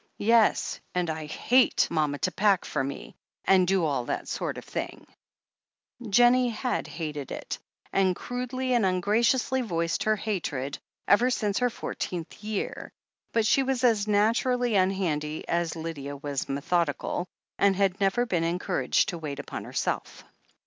"Yes, and I hate mama to pack for me, and do all that sort of thing !" Jennie had hated it, and crudely and tmgraciously voiced her hatred, ever since her fourteenth year, but she was as naturally unhandy as Lydia was methodical, and had never been encouraged to wait upon herself.